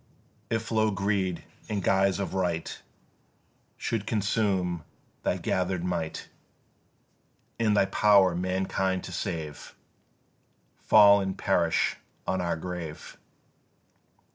If low greed in guise of right Should consume thy gather'd might, And thy power mankind to save Fall and perish on our grave!